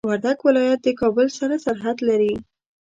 وردګ ولايت د کابل سره سرحد لري.